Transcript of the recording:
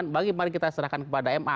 bagaimana kita serahkan kepada ma